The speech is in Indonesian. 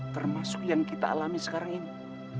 termasuk yang kita alami sekarang ini